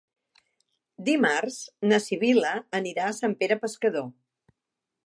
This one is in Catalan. Dimarts na Sibil·la anirà a Sant Pere Pescador.